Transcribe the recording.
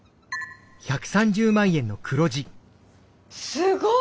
すごい！